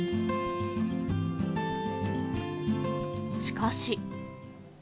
しかし。